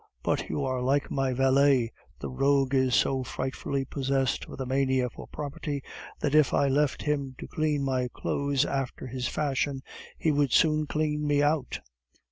But you are like my valet, the rogue is so frightfully possessed with a mania for property that if I left him to clean my clothes after his fashion, he would soon clean me out."